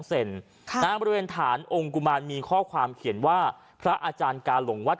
บริเวณฐานองค์กุมารมีข้อความเขียนว่าพระอาจารย์กาหลงวัด